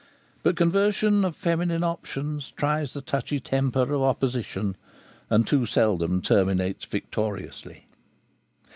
But conversion of feminine opinions tries the touchy temper of opposition, and too seldom terminates victoriously.